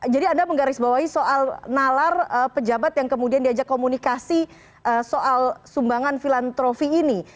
jadi anda menggarisbawahi soal nalar pejabat yang kemudian diajak komunikasi soal sumbangan filantrofi ini